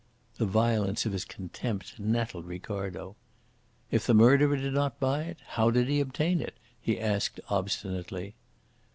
The violence of his contempt nettled Ricardo. "If the murderer did not buy it, how did he obtain it?" he asked obstinately.